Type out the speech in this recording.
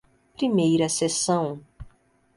Primeira Seção